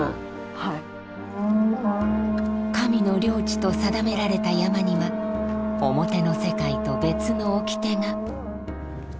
神の領地と定められた山には表の世界と別の掟が。